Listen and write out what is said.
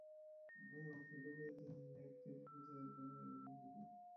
পরে অবশ্য ডুবুরি দিয়ে লেক থেকে খুঁজে বের করা হয়েছে যন্ত্রটি।